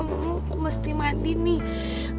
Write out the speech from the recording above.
mereka mesti mandi nih